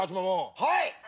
はい。